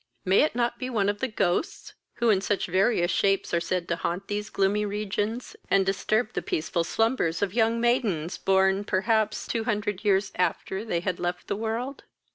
May it not be one of the ghosts, who, in such various shapes, are said to haunt these gloomy regions, and disturb the peaceful slumbers of young maidens, born perhaps two hundred years after they had left the world?"